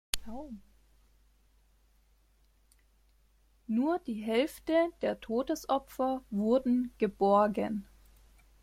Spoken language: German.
Nur der Hälfte der Todesopfer wurden geborgen.